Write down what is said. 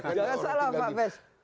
jangan salah pak fes